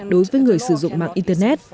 đối với người sử dụng mạng internet